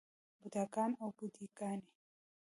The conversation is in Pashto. بوډاګان او بوډے ګانے